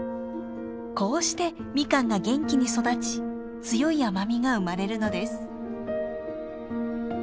こうしてミカンが元気に育ち強い甘みが生まれるのです。